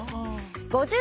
５０